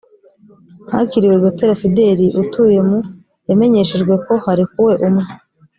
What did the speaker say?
hakiriwe gatera fidel utuye mu yamenyeshejwe ko harekuwe umwe